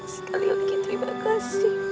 sekali lagi terima kasih